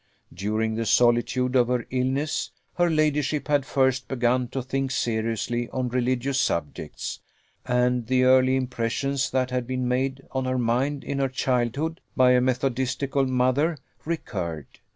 During the solitude of her illness, her ladyship had first begun to think seriously on religious subjects, and the early impressions that had been made on her mind in her childhood, by a methodistical mother, recurred.